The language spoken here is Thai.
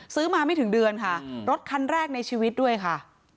ซื้อมาไม่ถึงเดือนค่ะรถคันแรกในชีวิตด้วยค่ะ